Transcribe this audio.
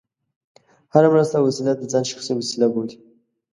هره مرسته او وسیله د ځان شخصي وسیله بولي.